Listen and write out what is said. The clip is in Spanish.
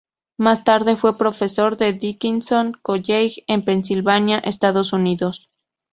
Más tarde, fue profesor en Dickinson College, en Pensilvania, Estados Unidos.